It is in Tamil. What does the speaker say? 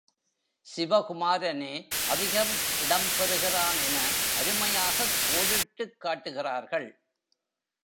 சிவகுமாரனே அதிகம் இடம் பெறுகின்றான் என அருமையாகக் கோடிட்டுக் காட்டுகிறார்கள்.